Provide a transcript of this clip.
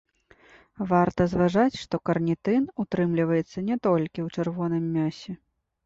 Варта зважаць, што карнітын утрымліваецца не толькі ў чырвоным мясе.